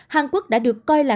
hàn quốc đã được coi là